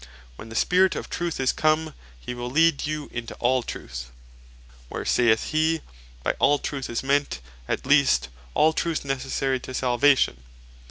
"When the Spirit of truth is come, hee will lead you into all truth" where (saith he) by All Truth, is meant, at least, All Truth Necessary To Salvation.